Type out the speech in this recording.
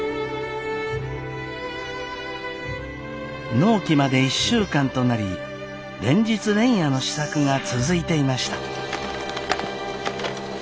納期まで１週間となり連日連夜の試作が続いていました。